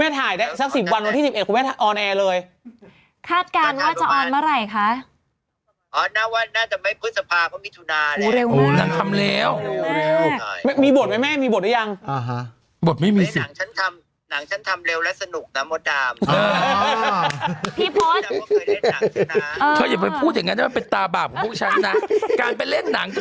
เป็นเจ้านี่แหละเจ้าที่หนีมาจากเมืองทิพย์นี่แหละ